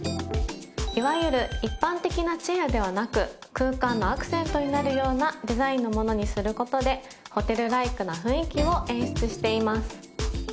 いわゆる一般的なチェアではなく空間のアクセントになるようなデザインのものにすることでホテルライクな雰囲気を演出しています。